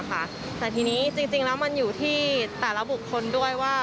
แต่ทีนี้จริงแล้วมันอยู่ที่แต่ละบุคคลด้วยว่า